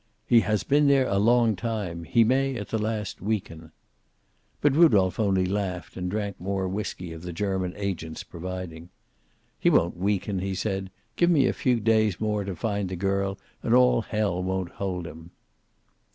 "He has been there a long time. He may, at the last, weaken." But Rudolph only laughed, and drank more whisky of the German agent's providing. "He won't weaken," he said. "Give me a few days more to find the girl, and all hell won't hold him."